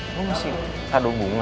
lu masih kado bunga